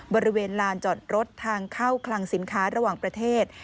บริเวณลานจอดรถทางเข้าคลังสินค้าระหว่างประเทศ